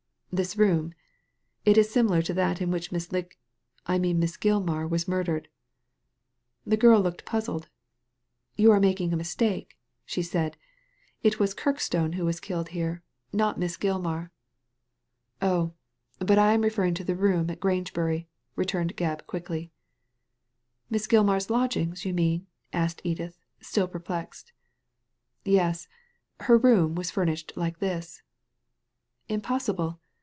"This room. It is similar to that in which Miss Lig — I mean in which Miss Gilmar was murdered." The girl looked puzzled. "You are making a Digitized by Google KtRKSTONE HALL 97 fBistake,'* she said ^ It was Kirkstone who was killed here, not Miss Gilmar.'* ''Oh, but I am referring to the room at Graoge bmy," returned Gebb, quickly. *" Miss Gilmar's lodgings, yon mean ?" asked Edith, still perplexed. ''Yes. Her room was furnished like this." "Impossible.